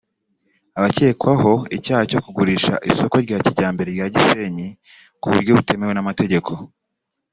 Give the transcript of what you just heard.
Abakekwaho icyaha cyo kugurisha isoko rya kijyambere rya Gisenyi ku buryo butemewe n’amategeko